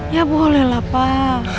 ya bolehlah pak